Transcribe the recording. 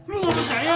lu gak percaya